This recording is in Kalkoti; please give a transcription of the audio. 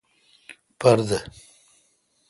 پر دد۔